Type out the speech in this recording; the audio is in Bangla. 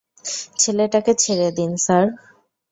ছেলেটাকে ছেড়ে দিন, স্যার।